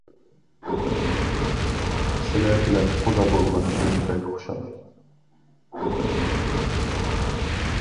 سىلە بىلەن قۇدا بولغىنىمدىن بەك خۇشال.